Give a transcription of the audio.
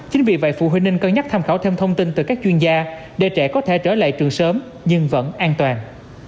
chính vì vậy phụ huynh nên cân nhắc tham khảo thêm thông tin từ các chuyên gia để trẻ có thể trở lại trường sớm nhưng vẫn an toàn